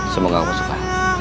semoga kamu suka